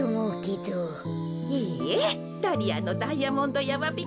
いいえダリアのダイヤモンドやまびこ